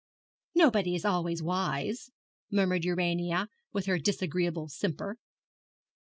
'Nobody is always wise,' murmured Urania, with her disagreeable simper.